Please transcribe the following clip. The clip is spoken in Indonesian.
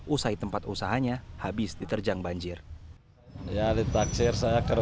usai tempat usahanya habis diterjang banjir